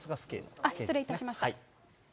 失礼いたしました。